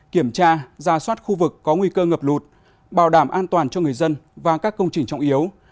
kiểm tra ra soát khu vực có nguy cơ ngập lụt bảo đảm an toàn cho người dân và các công trình trọng yếu